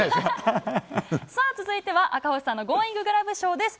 さあ、続いては赤星さんのゴーインググラブ賞です。